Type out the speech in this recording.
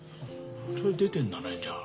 それ出てんだねじゃあ。